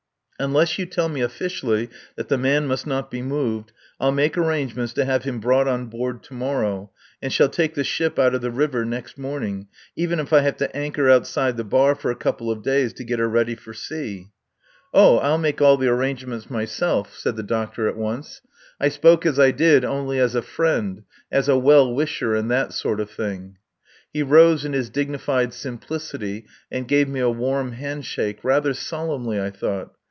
"Unless you tell me officially that the man must not be moved I'll make arrangements to have him brought on board tomorrow, and shall take the ship out of the river next morning, even if I have to anchor outside the bar for a couple of days to get her ready for sea." "Oh! I'll make all the arrangements myself," said the doctor at once. "I spoke as I did only as a friend as a well wisher, and that sort of thing." He rose in his dignified simplicity and gave me a warm handshake, rather solemnly, I thought.